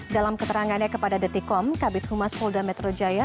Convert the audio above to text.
dalam keterangannya kepada detikom kabit humas polda metro jaya